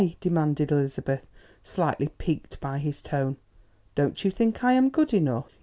demanded Elizabeth, slightly piqued by his tone; "don't you think I am good enough?"